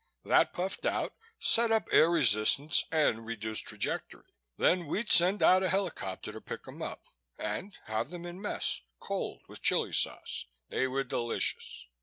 That puffed out, set up air resistance and reduced trajectory. Then we'd send a helicopter out to pick 'em up and have 'em in mess. Cold with chili sauce, they were delicious.